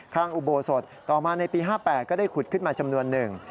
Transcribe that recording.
อุโบสถต่อมาในปี๕๘ก็ได้ขุดขึ้นมาจำนวนหนึ่ง